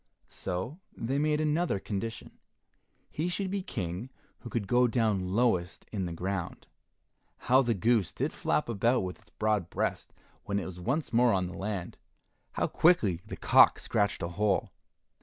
So they made another condition. He should be King who could go down lowest in the ground. How the goose did flap about with its broad breast when it was once more on the land! How quickly the cock scratched a hole!